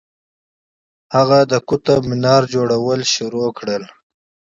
هغه د قطب منار جوړول پیل کړل.